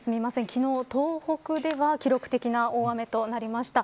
昨日、東北では記録的な大雨となりました。